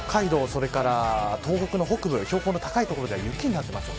それから東北の北部標高の高い所では雪になっています。